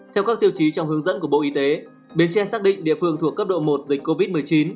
theo các tiêu chí trong hướng dẫn của bộ y tế bến tre xác định địa phương thuộc cấp độ một dịch covid một mươi chín